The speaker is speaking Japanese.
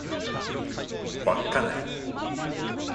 稚内